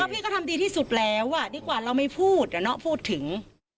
พี่ก็ทำดีที่สุดแล้วดีกว่าเราไม่พูดน้องพูดถึง